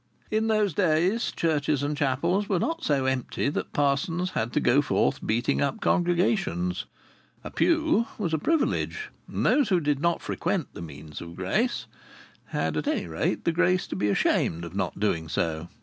In those days churches and chapels were not so empty that parsons had to go forth beating up congregations. A pew was a privilege. And those who did not frequent the means of grace had at any rate the grace to be ashamed of not doing so.